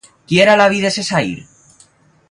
Qui era l'avi de Cessair?